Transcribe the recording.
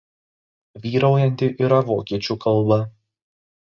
Vyraujanti yra vokiečių kalba.